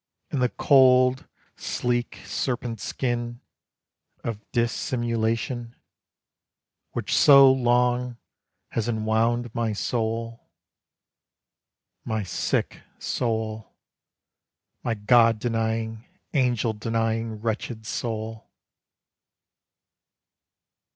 And the cold, sleek serpent's skin Of dissimulation, Which so long has enwound my soul My sick soul, My God denying, angel denying Wretched soul.